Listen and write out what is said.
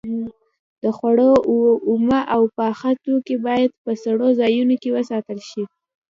د خوړو اومه او پاخه توکي باید په سړو ځایونو کې وساتل شي.